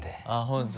本当。